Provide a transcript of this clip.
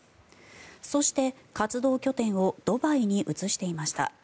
そして、活動拠点をドバイに移していました。